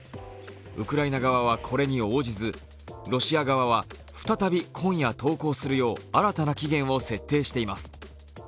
ウクライナ側はこれに応じず、ロシア側は再び今夜投降するよう新たな期限を設定しています。